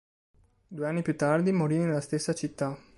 Due anni più tardi, morì nella stessa città.